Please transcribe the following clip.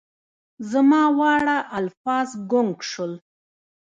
زما واړه الفاظ ګونګ شول